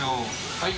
はい。